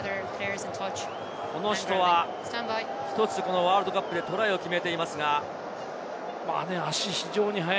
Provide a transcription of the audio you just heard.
この人は１つ、このワールドカップでトライを決めていますが。